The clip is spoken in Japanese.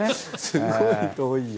すごい遠いよ。